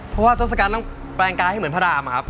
เพราะว่าทศกัณต้องแปลงกายให้เหมือนพระรามครับ